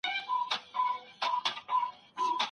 ایا ښوونکي زموږ پاڼه وړاندي کوي؟